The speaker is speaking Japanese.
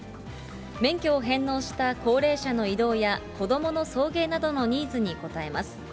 免許を返納した高齢者の移動や、子どもの送迎などのニーズに応えます。